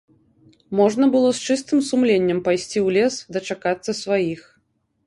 Можна было з чыстым сумленнем пайсці ў лес, дачакацца сваіх.